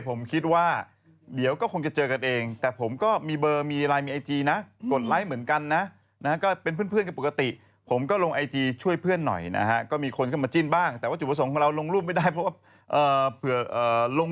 ผมคิดว่าเดี๋ยวก็คงจะเจอกันเอง